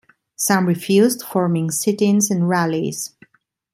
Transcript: Some refused, forming sit-ins and rallies.